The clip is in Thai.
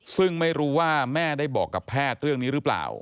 ซึ่งไม่รู้ว่าแม่ได้บอกกับแพทย์เรื่องนี้หรือเปล่า